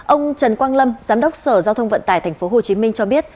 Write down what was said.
ông trần quang lâm giám đốc sở giao thông vận tải tp hcm cho biết